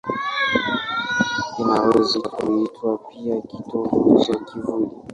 Inaweza kuitwa pia kitovu cha kivuli.